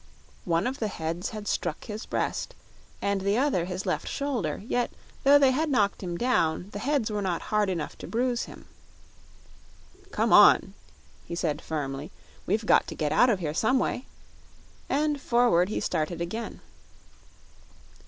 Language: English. One of the heads had struck his breast and the other his left shoulder; yet though they had knocked him down, the heads were not hard enough to bruise him. "Come on," he said firmly; "we've got to get out of here some way," and forward he started again.